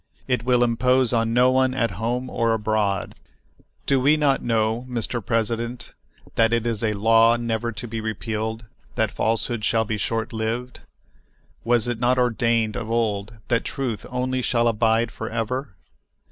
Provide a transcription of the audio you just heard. It will impose on no one at home or abroad. Do we not know, Mr. President, that it is a law never to be repealed that falsehood shall be short lived? Was it not ordained of old that truth only shall abide for ever?